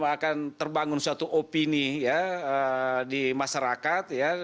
akan terbangun suatu opini ya di masyarakat